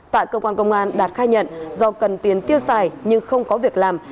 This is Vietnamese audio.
tại cơ quan công an đạt khai nhận do cần tiền tiêu xài nhưng không có việc làm